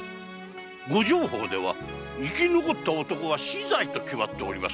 御定法では生き残った男は死罪と決まっております。